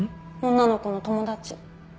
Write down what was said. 女の子の友達。